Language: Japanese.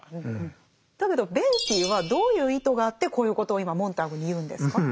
だけどベイティーはどういう意図があってこういうことを今モンターグに言うんですか？